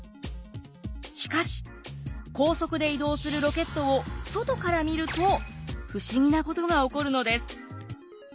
しかし高速で移動するロケットを外から見ると不思議なことが起こるのです。